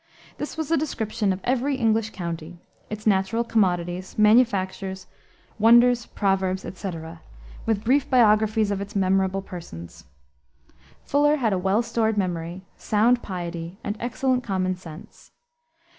This was a description of every English county; its natural commodities, manufactures, wonders, proverbs, etc., with brief biographies of its memorable persons. Fuller had a well stored memory, sound piety, and excellent common sense.